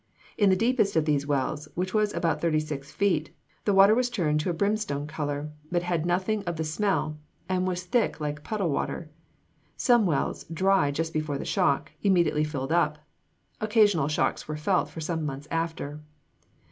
In the deepest of these wells, which was about thirty six feet, the water was turned to a brimstone color, but had nothing of the smell, and was thick like puddle water." Some wells, dry just before the shock, immediately filled up. Occasional shocks were felt for some months after.